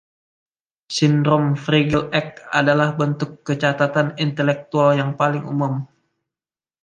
Sindrom Fragile X adalah bentuk kecacatan intelektual yang paling umum.